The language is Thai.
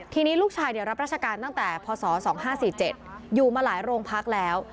ทีนี้ลูกชายรับราชการตั้งแต่พศ๒๕๔๗อยู่มาหลายโรงพักแล้ว